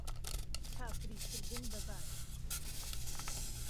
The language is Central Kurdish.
کافری کردن به باد